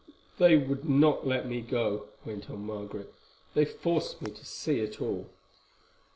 "They would not let me go," went on Margaret; "they forced me to see it all.